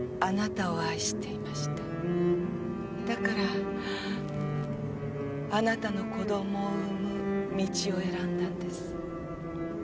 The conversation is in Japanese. だからあなたの子供を産む道を選んだんです。